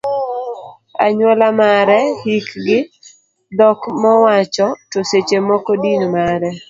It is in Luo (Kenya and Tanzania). anyuola mare, hikgi, dhok mowacho, to seche moko din mare.